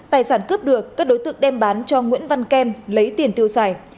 tài sản cướp được các đối tượng đem bán cho nguyễn văn kem lấy tiền tiêu xài